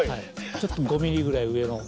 ちょっと５ｍｍぐらい上を。